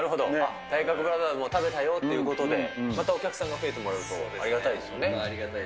なるほど、体格ブラザーズも食べたよっていうことで、またお客さんが増えてありがたいですね。